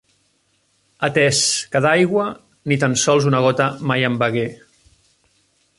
Atès que d'aigua, ni tan sols una gota mai en begué.